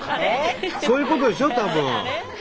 そういうことでしょたぶん。